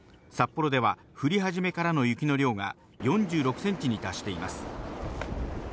札幌では降り始めからの雪の量が４６ｃｍに達しています。